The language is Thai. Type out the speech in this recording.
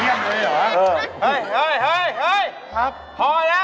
ถ้าเป็นปากถ้าเป็นปาก